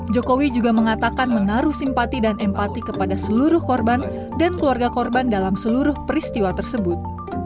jokowi juga mengatakan mengaruh simpati dan empati kepada seluruh korban dan keluarga korban dalam seluruh peristiwa tersebut